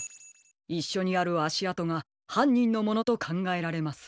いっしょにあるあしあとがはんにんのものとかんがえられます。